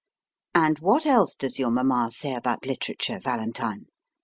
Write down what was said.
4 And what else does your Mama say about litera ture, Valentine